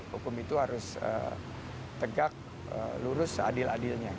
hukum itu harus tegak lurus seadil adilnya